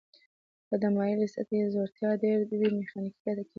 که د مایلې سطحې ځوړتیا ډیر وي میخانیکي ګټه کمیږي.